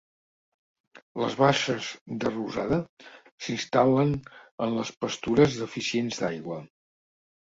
Les basses de rosada s'instal·len en les pastures deficients d'aigua.